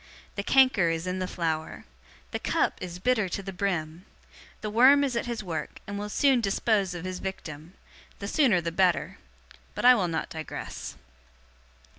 The canker is in the flower. The cup is bitter to the brim. The worm is at his work, and will soon dispose of his victim. The sooner the better. But I will not digress.